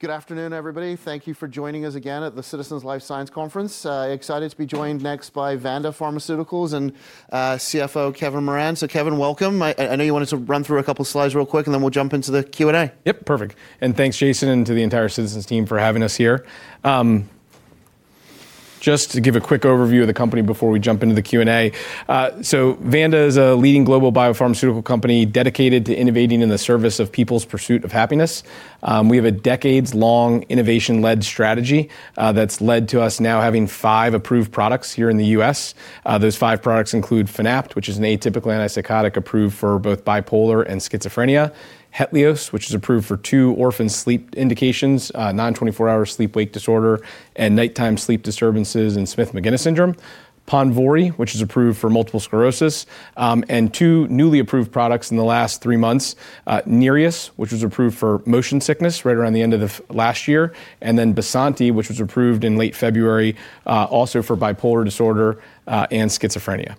Good afternoon, everybody. Thank you for joining us again at the Citizens Life Sciences Conference. Excited to be joined next by Vanda Pharmaceuticals and CFO Kevin Moran. Kevin, welcome. I know you wanted to run through a couple slides real quick, and then we'll jump into the Q&A. Yep, perfect. Thanks, Jason, and to the entire Citizens team for having us here. Just to give a quick overview of the company before we jump into the Q&A. Vanda is a leading global biopharmaceutical company dedicated to innovating in the service of people's pursuit of happiness. We have a decades-long innovation-led strategy that's led to us now having five approved products here in the U.S. Those five products include Fanapt, which is an atypical antipsychotic approved for both bipolar disorder and schizophrenia. Hetlioz, which is approved for two orphan sleep indications, non-24-hour sleep-wake disorder and nighttime sleep disturbances in Smith-Magenis syndrome. Ponvory, which is approved for multiple sclerosis, and two newly approved products in the last three months, Nereus, which was approved for motion sickness right around the end of the last year, and then BYSANTI, which was approved in late February, also for bipolar disorder disorder, and schizophrenia.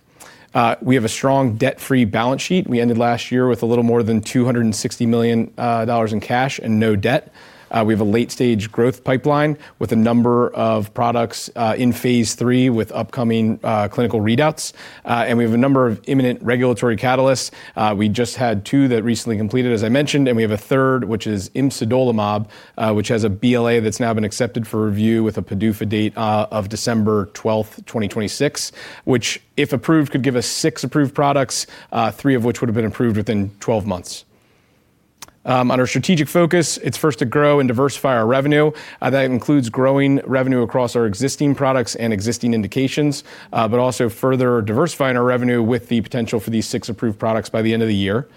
We have a strong debt-free balance sheet. We ended last year with a little more than $260 million in cash and no debt. We have a late-stage growth pipeline with a number of products in Phase III with upcoming clinical readouts. We have a number of imminent regulatory catalysts. We just had two that recently completed, as I mentioned, and we have a third, which is imsidolimab, which has a BLA that's now been accepted for review with a PDUFA date of December 12, 2026, which, if approved, could give us six approved products, three of which would have been approved within 12 months. On our strategic focus, it's first to grow and diversify our revenue. That includes growing revenue across our existing products and existing indications, but also further diversifying our revenue with the potential for these six approved products by the end of the year.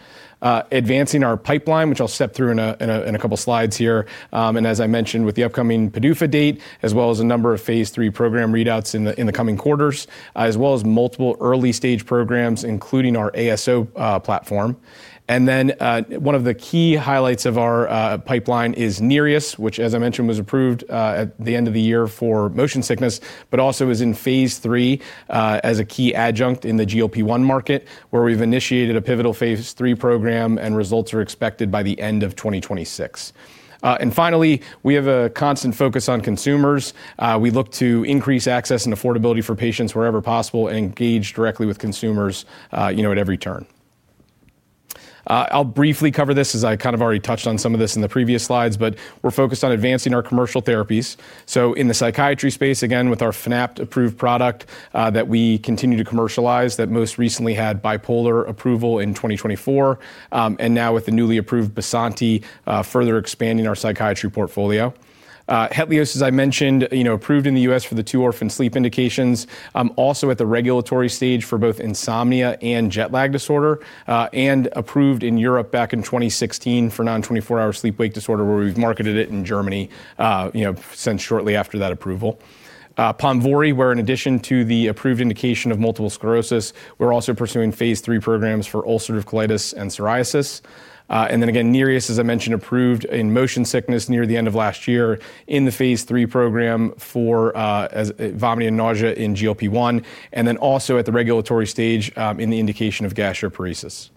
Advancing our pipeline, which I'll step through in a couple slides here. As I mentioned, with the upcoming PDUFA date, as well as a number of Phase III program readouts in the coming quarters, as well as multiple early-stage programs, including our ASO platform. Then, one of the key highlights of our pipeline is Nereus, which as I mentioned, was approved at the end of the year for motion sickness, but also is in Phase III as a key adjunct in the GLP-1 market, where we've initiated a pivotal Phase III program and results are expected by the end of 2026. Finally, we have a constant focus on consumers. We look to increase access and affordability for patients wherever possible and engage directly with consumers, at every turn. I'll briefly cover this as I kind of already touched on some of this in the previous slides, but we're focused on advancing our commercial therapies. In the psychiatry space, again, with our Fanapt approved product that we continue to commercialize that most recently had bipolar disorder approval in 2024, and now with the newly approved BYSANTI, further expanding our psychiatry portfolio. Hetlioz, as I mentioned, approved in the U.S. for the two orphan sleep indications, also at the regulatory stage for both insomnia and jet lag disorder, and approved in Europe back in 2016 for non-24-hour sleep-wake disorder, where we've marketed it in Germany, you know, since shortly after that approval. Ponvory, where in addition to the approved indication of multiple sclerosis, we're also pursuing Phase III programs for ulcerative colitis and psoriasis. Nereus, as I mentioned, approved for motion sickness near the end of last year in the Phase III program for vomiting and nausea in GLP-1, and then also at the regulatory stage in the indication of gastroparesis.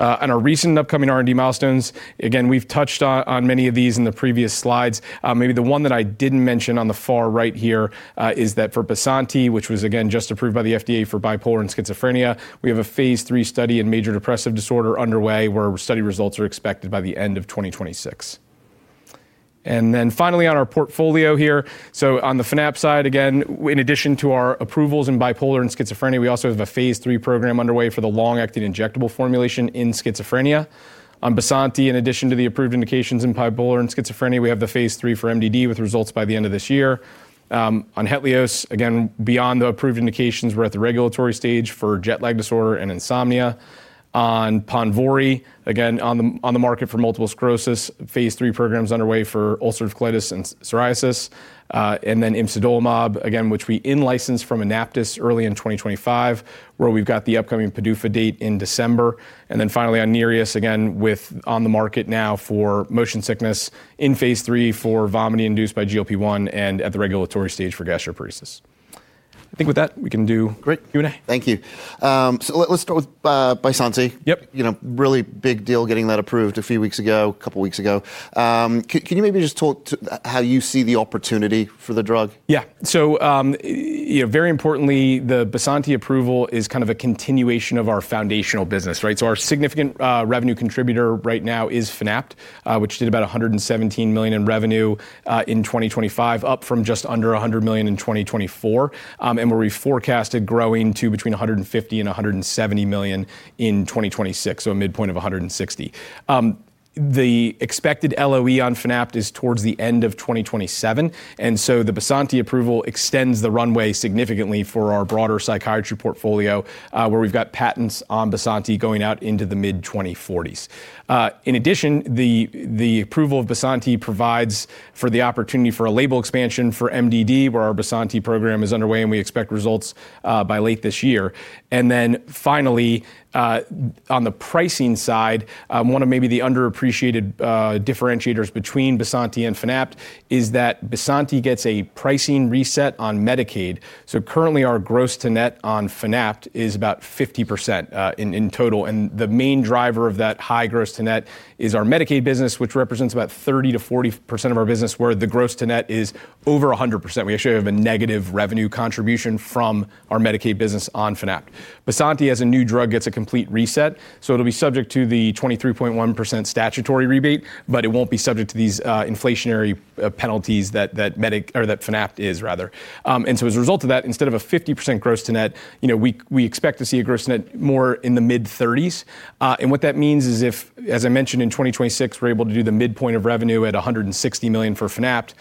On our recent upcoming R&D milestones, we've touched on many of these in the previous slides. Maybe the one that I didn't mention on the far right here is that for BYSANTI, which was again just approved by the FDA for bipolar disorder and schizophrenia, we have a Phase III study in major depressive disorder underway where study results are expected by the end of 2026. Finally on our portfolio here, so on the Fanapt side, again, in addition to our approvals in bipolar disorder and schizophrenia, we also have a Phase III program underway for the long-acting injectable formulation in schizophrenia. On BYSANTI, in addition to the approved indications in bipolar disorder and schizophrenia, we have the Phase III for MDD with results by the end of this year. On Hetlioz, again, beyond the approved indications, we're at the regulatory stage for jet lag disorder and insomnia. On Ponvory, again, on the market for multiple sclerosis, Phase III program's underway for ulcerative colitis and psoriasis. Imsidolimab, again, which we in-licensed from Anaptys early in 2025, where we've got the upcoming PDUFA date in December. Finally on Nereus, again, we're on the market now for motion sickness in Phase III for vomiting induced by GLP-1 and at the regulatory stage for gastroparesis. I think with that, we can do Q&A. Great. Thank you. Let's start with BYSANTI. Yep. You know, really big deal getting that approved a few weeks ago, couple weeks ago. Can you maybe just talk to how you see the opportunity for the drug? Yeah. You know, very importantly, the BYSANTI approval is kind of a continuation of our foundational business, right? Our significant revenue contributor right now is Fanapt, which did about $117 million in revenue in 2025, up from just under $100 million in 2024, and where we forecasted growing to between $150 million and $170 million in 2026. A midpoint of $160 million. The expected LOE on Fanapt is towards the end of 2027, and so the BYSANTI approval extends the runway significantly for our broader psychiatry portfolio, where we've got patents on BYSANTI going out into the mid-2040s. In addition, the approval of BYSANTI provides for the opportunity for a label expansion for MDD, where our BYSANTI program is underway, and we expect results by late this year. Finally, on the pricing side, one of maybe the underappreciated differentiators between BYSANTI and Fanapt is that BYSANTI gets a pricing reset on Medicaid. Currently our gross-to-net on Fanapt is about 50% in total, and the main driver of that high gross-to-net is our Medicaid business, which represents about 30%-40% of our business, where the gross-to-net is over 100%. We actually have a negative revenue contribution from our Medicaid business on Fanapt. BYSANTI as a new drug gets a complete reset. It'll be subject to the 23.1% statutory rebate, but it won't be subject to these inflationary penalties that Fanapt is, rather. As a result of that, instead of a 50% gross to net, you know, we expect to see a gross-to-net more in the mid-30s%. What that means is if, as I mentioned, in 2026, we're able to do the midpoint of revenue at $160 million for Fanapt,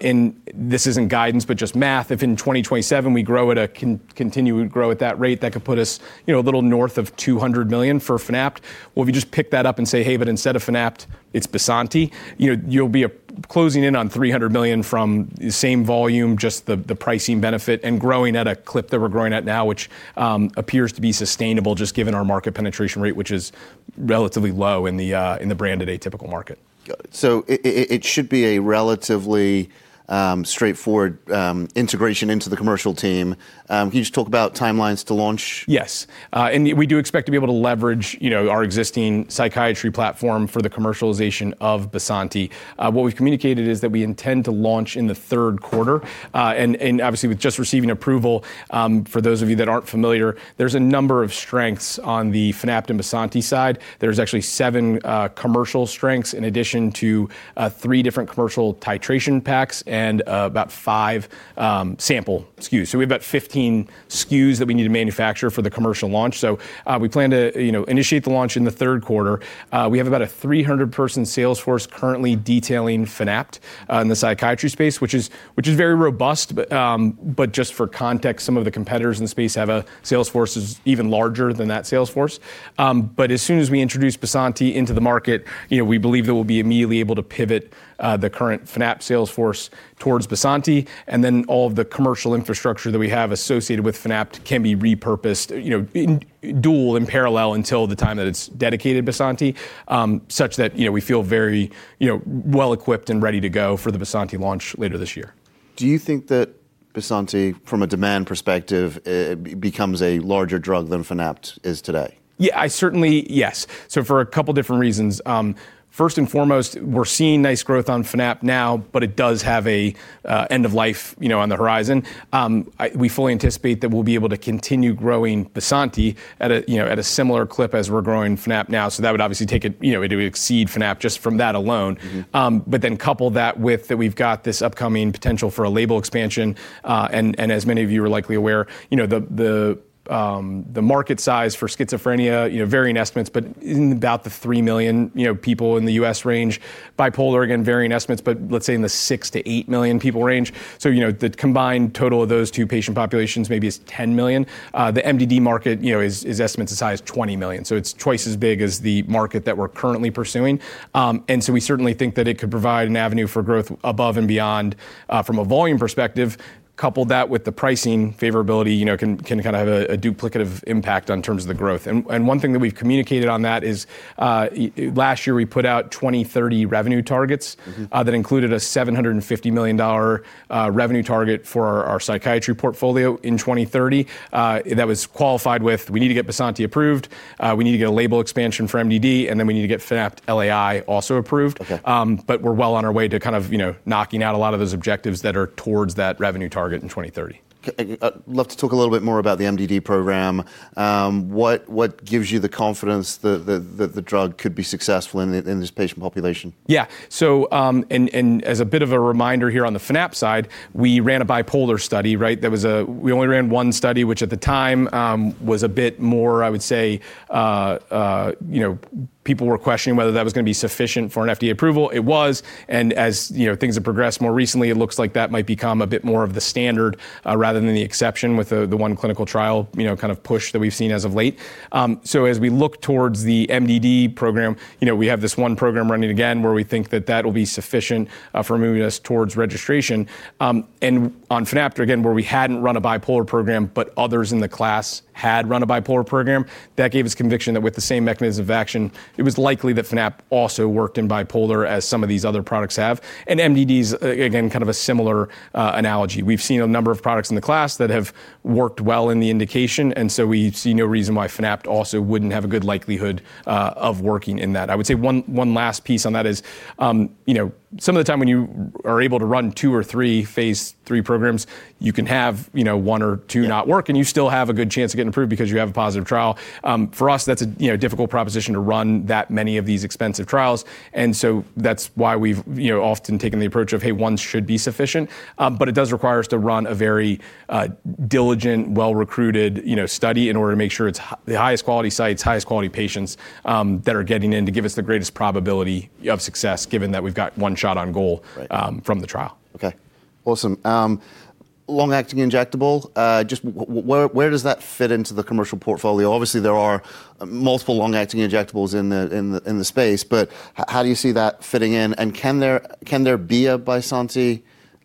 and this isn't guidance, but just math, if in 2027 we grow at continued growth at that rate, that could put us, you know, a little north of $200 million for Fanapt. Well, if you just pick that up and say, "Hey, but instead of Fanapt, it's BYSANTI," you'll be closing in on $300 million from the same volume, just the pricing benefit and growing at a clip that we're growing at now, which appears to be sustainable, just given our market penetration rate, which is relatively low in the branded atypical market. It should be a relatively straightforward integration into the commercial team. Can you just talk about timelines to launch? Yes. We do expect to be able to leverage, our existing psychiatry platform for the commercialization of BYSANTI. What we've communicated is that we intend to launch in the Q3. Obviously with just receiving approval, for those of you that aren't familiar, there's a number of strengths on the Fanapt and BYSANTI side. There's actually seven commercial strengths in addition to three different commercial titration packs and about five sample SKUs. We have about 15 SKUs that we need to manufacture for the commercial launch. We plan to, you know, initiate the launch in the Q3. We have about a 300-person sales force currently detailing Fanapt in the psychiatry space, which is very robust. Just for context, some of the competitors in the space have a sales force that's even larger than that sales force. As soon as we introduce BYSANTI into the market, you know, we believe that we'll be immediately able to pivot the current Fanapt sales force towards BYSANTI, and then all of the commercial infrastructure that we have associated with Fanapt can be repurposed, you know, dual and parallel until the time that it's dedicated BYSANTI, such that, you know, we feel very, well equipped and ready to go for the BYSANTI launch later this year. Do you think that BYSANTI, from a demand perspective, becomes a larger drug than Fanapt is today? For a couple different reasons. First and foremost, we're seeing nice growth on Fanapt now, but it does have an end of life, on the horizon. We fully anticipate that we'll be able to continue growing BYSANTI at a similar clip as we're growing Fanapt now, so that would obviously take it, it'll exceed Fanapt just from that alone. Mm-hmm. Couple that with that we've got this upcoming potential for a label expansion, and as many of you are likely aware, the market size for schizophrenia, you know, varying estimates, but in about the 3 million people in the U.S. range. Bipolar, again, varying estimates, but let's say in the 6 million-8 million people range. You know, the combined total of those two patient populations maybe is 10 million. The MDD market, you know, is estimates a size 20 million. It's twice as big as the market that we're currently pursuing. We certainly think that it could provide an avenue for growth above and beyond from a volume perspective. Couple that with the pricing favorability, can kind of have a duplicative impact in terms of the growth. One thing that we've communicated on that is last year, we put out 2030 revenue targets. Mm-hmm That included a $750 million revenue target for our psychiatry portfolio in 2030. That was qualified with, we need to get BYSANTI approved, we need to get a label expansion for MDD, and then we need to get Fanapt LAI also approved. Okay. We're well on our way to kind of, knocking out a lot of those objectives that are towards that revenue target in 2030. Love to talk a little bit more about the MDD program. What gives you the confidence the drug could be successful in this patient population? As a bit of a reminder here on the Fanapt side, we ran a bipolar disorder study, right? We only ran one study, which at the time was a bit more, I would say, people were questioning whether that was gonna be sufficient for an FDA approval. It was. As you know, things have progressed more recently, it looks like that might become a bit more of the standard rather than the exception with the one clinical trial, kind of push that we've seen as of late. As we look towards the MDD program, you know, we have this one program running again where we think that will be sufficient for moving us towards registration. on Fanapt, again, where we hadn't run a bipolar disorder program, but others in the class had run a bipolar disorder program, that gave us conviction that with the same mechanism of action, it was likely that Fanapt also worked in bipolar disorder as some of these other products have. MDD, again, kind of a similar analogy. We've seen a number of products in the class that have worked well in the indication, and so we see no reason why Fanapt also wouldn't have a good likelihood of working in that. I would say one last piece on that is, you know, some of the time when you are able to run two or three Phase III programs, you can have, one or two not work, and you still have a good chance of getting approved because you have a positive trial. For us, that's a you know difficult proposition to run that many of these expensive trials. That's why we've you know often taken the approach of, hey, one should be sufficient. It does require us to run a very diligent, well-recruited, you know, study in order to make sure it's the highest quality sites, highest quality patients, that are getting in to give us the greatest probability of success, given that we've got one shot on goal. Right from the trial. Okay. Awesome. Long-acting injectable, just where does that fit into the commercial portfolio? Obviously, there are multiple long-acting injectables in the space, but how do you see that fitting in, and can there be a BYSANTI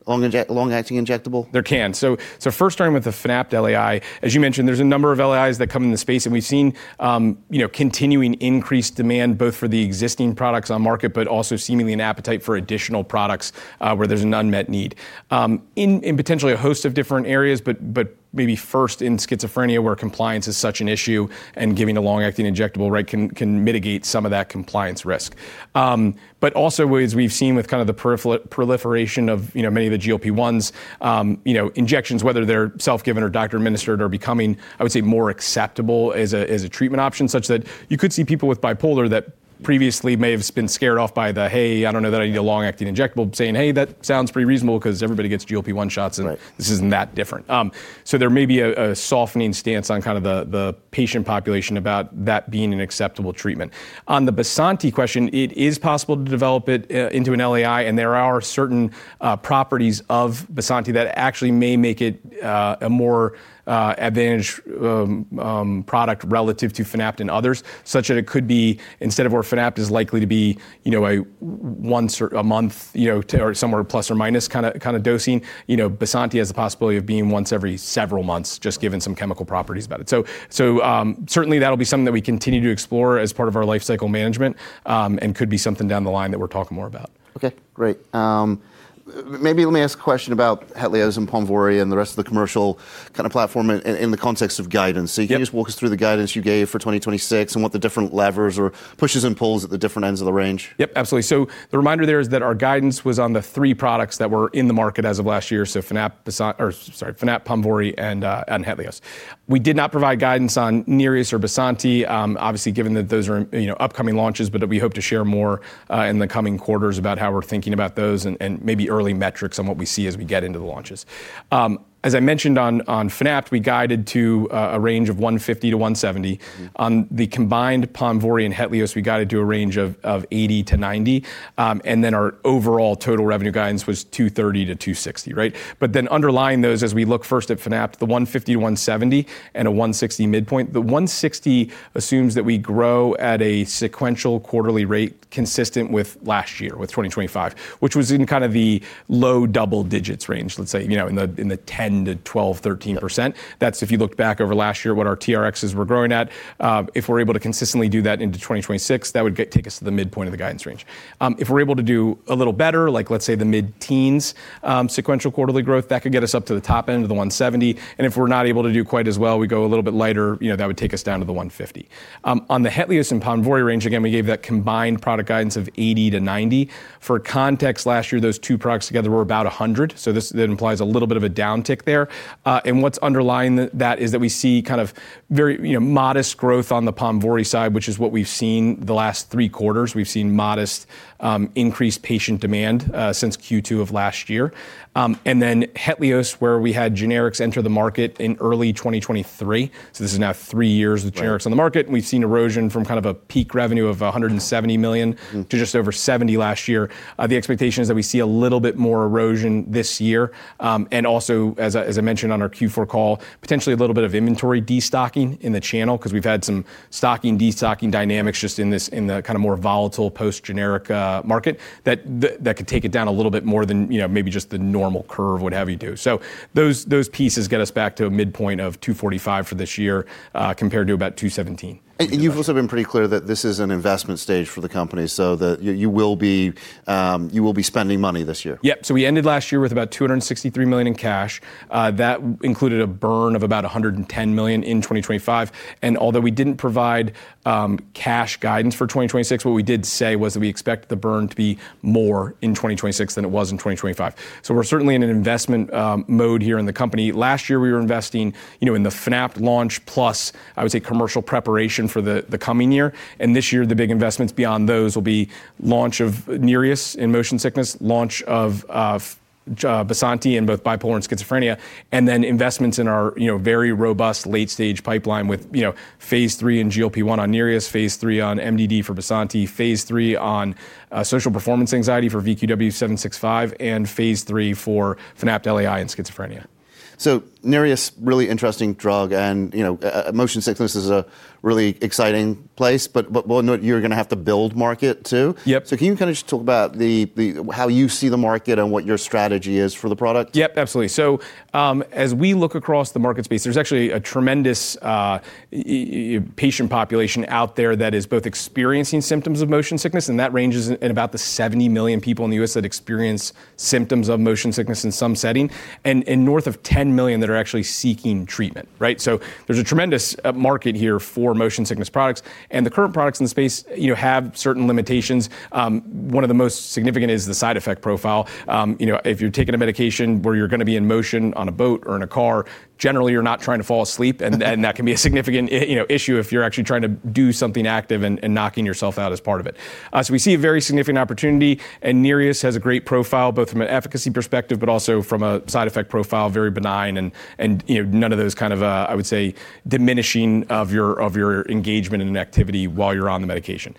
long-acting injectable? First starting with the Fanapt LAI, as you mentioned, there's a number of LAIs that come in the space, and we've seen, you know, continuing increased demand both for the existing products on market, but also seemingly an appetite for additional products, where there's an unmet need. In potentially a host of different areas, but maybe first in schizophrenia where compliance is such an issue and giving a long-acting injectable, right, can mitigate some of that compliance risk. Also, whereas we've seen with kind of the proliferation of, you know, many of the GLP-1s, injections, whether they're self-given or doctor administered are becoming, I would say, more acceptable as a treatment option such that you could see people with bipolar disorder that previously may have been scared off by the, "Hey, I don't know that I need a long-acting injectable," saying, "Hey, that sounds pretty reasonable 'cause everybody gets GLP-1 shots and Right... this isn't that different. There may be a softening stance on kind of the patient population about that being an acceptable treatment. On the BYSANTI question, it is possible to develop it into an LAI, and there are certain properties of BYSANTI that actually may make it a more advantaged product relative to Fanapt and others, such that it could be instead of where Fanapt is likely to be, you know, a once or a month, you know, or somewhere plus or minus kinda dosing. You know, BYSANTI has the possibility of being once every several months just given some chemical properties about it. Certainly, that'll be something that we continue to explore as part of our life cycle management, and could be something down the line that we're talking more about. Okay, great. Maybe let me ask a question about Hetlioz and Ponvory and the rest of the commercial kinda platform in the context of guidance. Yep. Can you just walk us through the guidance you gave for 2026 and what the different levers or pushes and pulls at the different ends of the range? Yep, absolutely. The reminder there is that our guidance was on the three products that were in the market as of last year. Fanapt, Ponvory, and Hetlioz. We did not provide guidance on Nereus or BYSANTI, obviously given that those are, you know, upcoming launches, but that we hope to share more in the coming quarters about how we're thinking about those and maybe early metrics on what we see as we get into the launches. As I mentioned on Fanapt, we guided to a range of $150-$170. Mm-hmm. On the combined Ponvory and Hetlioz, we guided to a range of $80 million-$90 million, and then our overall total revenue guidance was $230 million-$260 million, right? Underlying those as we look first at Fanapt, the $150 million, $170 million and a $160 million midpoint, the $160 million assumes that we grow at a sequential quarterly rate consistent with last year, with 2025, which was in kind of the low double digits range, let's say, you know, in the 10%-13%. That's if you look back over last year what our TRx were growing at. If we're able to consistently do that into 2026, that would take us to the midpoint of the guidance range. If we're able to do a little better, like let's say the mid-teens% sequential quarterly growth, that could get us up to the top end of the $170 million, and if we're not able to do quite as well, we go a little bit lighter, you know, that would take us down to the $150 million. On the Hetlioz and Ponvory range, again, we gave that combined product guidance of $80 million-$90 million. For context, last year, those two products together were about $100 million, so that implies a little bit of a downtick there. What's underlying that is that we see kind of very, you know, modest growth on the Ponvory side, which is what we've seen the last three quarters. We've seen modest increased patient demand since Q2 of last year. Hetlioz, where we had generics enter the market in early 2023, so this is now three years. Right With generics on the market, and we've seen erosion from kind of a peak revenue of $170 million. Mm... to just over $70 million last year. The expectation is that we see a little bit more erosion this year. As I mentioned on our Q4 call, potentially a little bit of inventory destocking in the channel because we've had some stocking, destocking dynamics just in this, in the kinda more volatile post-generic market that could take it down a little bit more than, you know, maybe just the normal curve, what have you. Those pieces get us back to a midpoint of $245 million for this year, compared to about $217 million. You've also been pretty clear that this is an investment stage for the company so that you will be spending money this year. Yep. We ended last year with about $263 million in cash. That included a burn of about $110 million in 2025, and although we didn't provide cash guidance for 2026, what we did say was that we expect the burn to be more in 2026 than it was in 2025. We're certainly in an investment mode here in the company. Last year, we were investing, you know, in the Fanapt launch plus, I would say, commercial preparation for the coming year, and this year, the big investments beyond those will be launch of Nereus in motion sickness, launch of BYSANTI in both bipolar disorder and schizophrenia, and then investments in our, you know, very robust late-stage pipeline with, you know, Phase III in GLP-1 on Nereus, Phase III on MDD for BYSANTI, Phase III on social performance anxiety for VQW765, and Phase III for Fanapt LAI in schizophrenia. Nereus, really interesting drug and, you know, motion sickness is a really exciting place, but we'll note you're gonna have to build market too. Yep. Can you kinda just talk about how you see the market and what your strategy is for the product? Yep, absolutely. As we look across the market space, there's actually a tremendous patient population out there that is both experiencing symptoms of motion sickness, and that ranges in about the 70 million people in the U.S. that experience symptoms of motion sickness in some setting, and north of 10 million that are actually seeking treatment, right? There's a tremendous market here for motion sickness products, and the current products in the space, you know, have certain limitations. One of the most significant is the side effect profile. You know, if you're taking a medication where you're gonna be in motion on a boat or in a car, generally you're not trying to fall asleep. that can be a significant issue if you're actually trying to do something active and knocking yourself out as part of it. We see a very significant opportunity, and Nereus has a great profile, both from an efficacy perspective, but also from a side effect profile, very benign and you know, none of those kind of, I would say diminishing of your engagement in an activity while you're on the medication.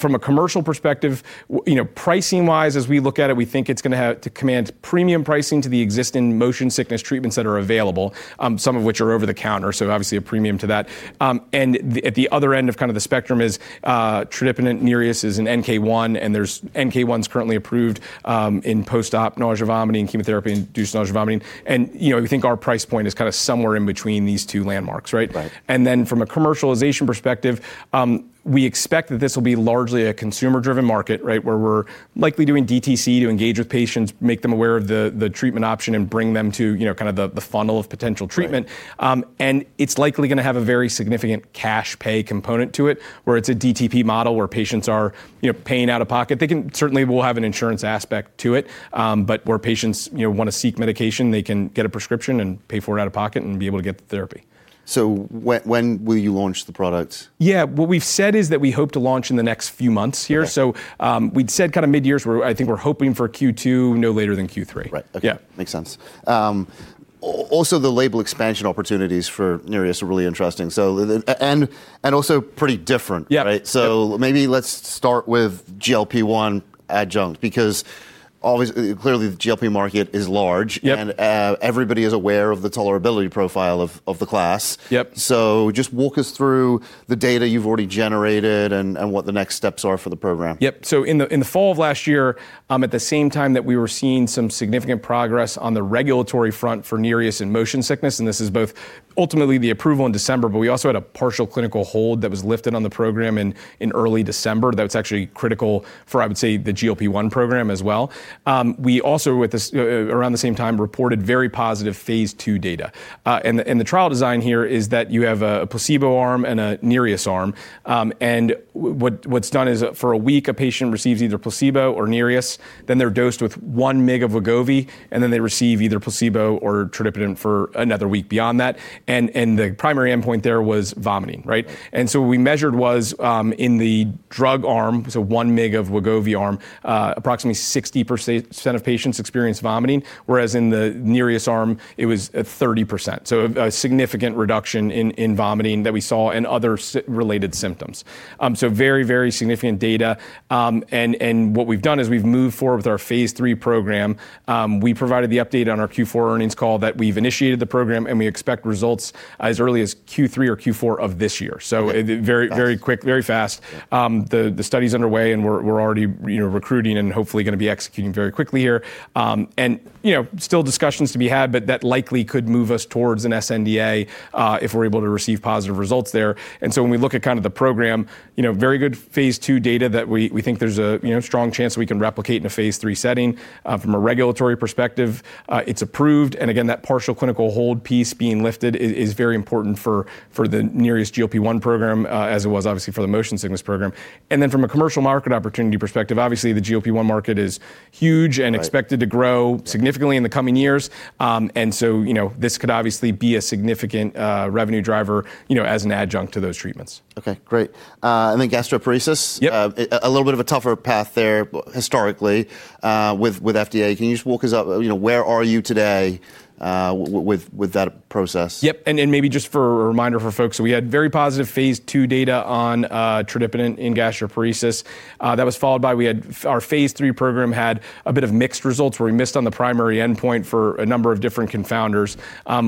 From a commercial perspective, you know, pricing wise, as we look at it, we think it's gonna have to command premium pricing to the existing motion sickness treatments that are available, some of which are over the counter, so obviously a premium to that. At the other end of the spectrum is tradipitant Nereus, an NK-1, and there's NK-1's currently approved in post-op nausea vomiting, chemotherapy-induced nausea vomiting. You know, we think our price point is kind of somewhere in between these two landmarks, right? Right. From a commercialization perspective, we expect that this will be largely a consumer driven market, right? Where we're likely doing DTC to engage with patients, make them aware of the treatment option and bring them to, you know, kind of the funnel of potential treatment. Right. It's likely gonna have a very significant cash pay component to it, where it's a DTP model where patients are, you know, paying out of pocket. Certainly will have an insurance aspect to it. Where patients, you know, wanna seek medication, they can get a prescription and pay for it out of pocket and be able to get the therapy. When will you launch the products? Yeah. What we've said is that we hope to launch in the next few months here. Okay. We'd said kind of midyear. I think we're hoping for Q2, no later than Q3. Right. Okay. Yeah. Makes sense. Also the label expansion opportunities for Nereus are really interesting and also pretty different. Yeah. Right? Maybe let's start with GLP-1 adjunct, because always, clearly the GLP-1 market is large. Yep. Everybody is aware of the tolerability profile of the class. Yep. Just walk us through the data you've already generated and what the next steps are for the program. Yep. In the fall of last year, at the same time that we were seeing some significant progress on the regulatory front for Nereus and motion sickness, and this is both ultimately the approval in December, but we also had a partial clinical hold that was lifted on the program in early December. That's actually critical for, I would say, the GLP-1 program as well. We also at this around the same time reported very positive Phase II data. The trial design here is that you have a placebo arm and a Nereus arm. What's done is for a week a patient receives either placebo or Nereus, then they're dosed with 1 mg of Wegovy, and then they receive either placebo or tradipitant for another week beyond that. The primary endpoint there was vomiting, right? What we measured was in the drug arm, 1 mg of Wegovy arm, approximately 60% of patients experienced vomiting, whereas in the Nereus arm it was at 30%. A significant reduction in vomiting that we saw and other related symptoms. Very significant data. What we've done is we've moved forward with our Phase III program. We provided the update on our Q4 earnings call that we've initiated the program and we expect results as early as Q3 or Q4 of this year. Okay. Very quick, very fast. The study's underway and we're already, you know, recruiting and hopefully gonna be executing very quickly here. You know, still discussions to be had, but that likely could move us towards an sNDA, if we're able to receive positive results there. When we look at kind of the program, you know, very good Phase II data that we think there's a you know, strong chance that we can replicate in a Phase III setting. From a regulatory perspective, it's approved, and again, that partial clinical hold piece being lifted is very important for the Nereus GLP-1 program, as it was obviously for the motion sickness program. From a commercial market opportunity perspective, obviously the GLP-1 market is huge. Right Expected to grow significantly in the coming years. You know, this could obviously be a significant revenue driver, you know, as an adjunct to those treatments. Okay, great. Gastroparesis. Yep. A little bit of a tougher path there historically with FDA. Can you just walk us through, you know, where are you today with that process? Yep. Maybe just for a reminder for folks, so we had very positive Phase II data on tradipitant in gastroparesis. That was followed by our Phase III program had a bit of mixed results where we missed on the primary endpoint for a number of different confounders.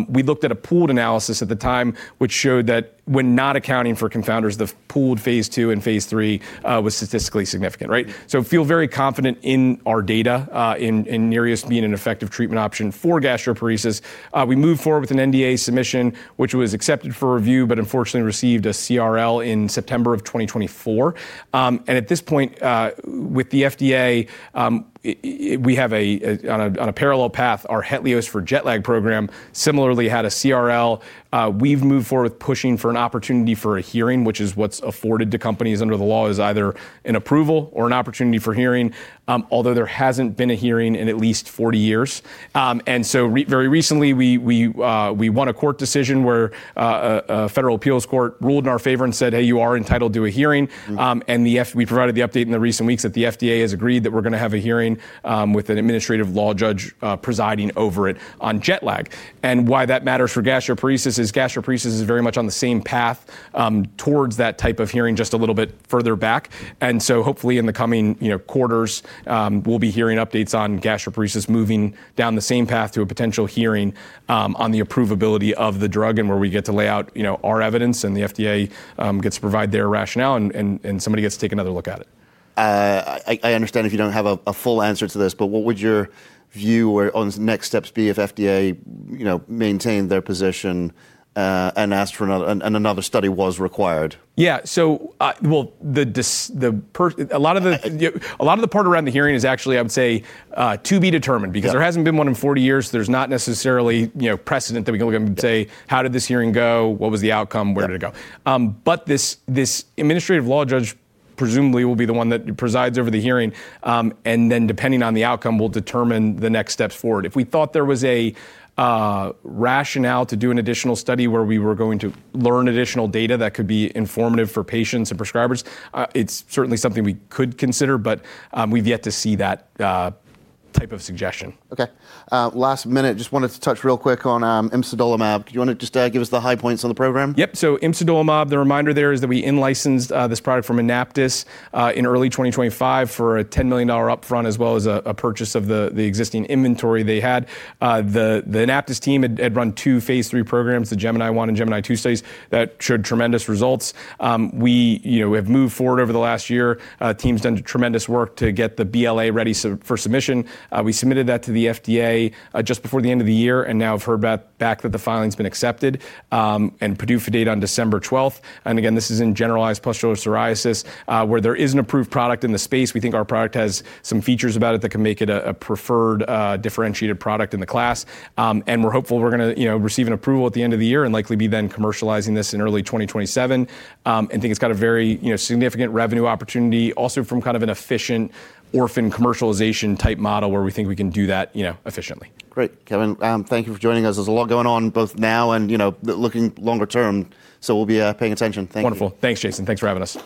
We looked at a pooled analysis at the time, which showed that when not accounting for confounders, the pooled Phase II and Phase III was statistically significant. Right? Feel very confident in our data in Nereus being an effective treatment option for gastroparesis. We moved forward with an NDA submission, which was accepted for review, but unfortunately received a CRL in September of 2024. At this point, with the FDA, we have on a parallel path, our Hetlioz for jet lag program similarly had a CRL. We've moved forward with pushing for an opportunity for a hearing, which is what's afforded to companies under the law, is either an approval or an opportunity for hearing, although there hasn't been a hearing in at least 40 years. Very recently, we won a court decision where a federal appeals court ruled in our favor and said, "Hey, you are entitled to a hearing. Mm. We provided the update in the recent weeks that the FDA has agreed that we're gonna have a hearing with an administrative law judge presiding over it on jet lag. Why that matters for gastroparesis is gastroparesis is very much on the same path towards that type of hearing, just a little bit further back. Hopefully in the coming, you know, quarters, we'll be hearing updates on gastroparesis moving down the same path to a potential hearing on the approvability of the drug and where we get to lay out, you know, our evidence and the FDA gets to provide their rationale and somebody gets to take another look at it. I understand if you don't have a full answer to this, but what would your view on next steps be if FDA, you know, maintained their position and asked for another study was required? A lot of the part around the hearing is actually, I would say, to be determined. Yeah Because there hasn't been one in 40 years, there's not necessarily, you know, precedent that we can look at and say, "How did this hearing go? What was the outcome? Where did it go? Yeah. This administrative law judge presumably will be the one that presides over the hearing, and then depending on the outcome, will determine the next steps forward. If we thought there was a rationale to do an additional study where we were going to learn additional data that could be informative for patients and prescribers, it's certainly something we could consider, but we've yet to see that type of suggestion. Okay. Last minute, just wanted to touch real quick on imsidolimab. Do you wanna just give us the high points on the program? Yep. Imsidolimab, the reminder there is that we in-licensed this product from Anaptys in early 2025 for a $10 million upfront as well as a purchase of the existing inventory they had. The Anaptys team had run two Phase III programs, the GEMINI-1 and GEMINI-2 studies that showed tremendous results. We, you know, have moved forward over the last year. Team's done tremendous work to get the BLA ready for submission. We submitted that to the FDA just before the end of the year, and now have heard back that the filing's been accepted, and PDUFA date on December 12. Again, this is in generalized pustular psoriasis, where there is an approved product in the space. We think our product has some features about it that can make it a preferred differentiated product in the class. We're hopeful we're gonna, you know, receive an approval at the end of the year and likely be then commercializing this in early 2027. Think it's got a very, you know, significant revenue opportunity also from kind of an efficient orphan commercialization type model where we think we can do that, you know, efficiently. Great. Kevin, thank you for joining us. There's a lot going on both now and, you know, looking longer term, so we'll be paying attention. Thank you. Wonderful. Thanks, Jason. Thanks for having us.